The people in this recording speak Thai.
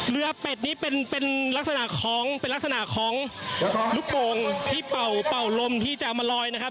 เรือเป็ดนี้เป็นลักษณะของลูกโปรงที่เป่าลมที่จะมาลอยนะครับ